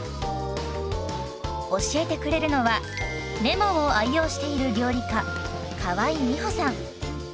教えてくれるのはレモンを愛用している料理家河井美歩さん。